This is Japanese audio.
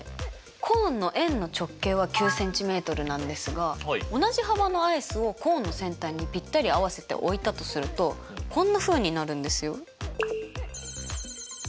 コーンの円の直径は９ｃｍなんですが同じ幅のアイスをコーンの先端にぴったり合わせて置いたとするとこんなふうになるんですよ。